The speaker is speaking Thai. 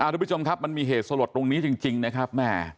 ทุกผู้ชมครับมันมีเหตุสลดตรงนี้จริงนะครับแม่